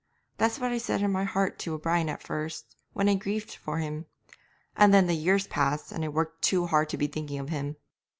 That's what I said in my heart to O'Brien at first when I grieved for him; and then the years passed, and I worked too hard to be thinking of him.